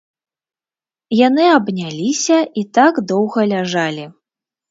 Яны абняліся і так доўга ляжалі.